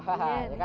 jamin gak kesasar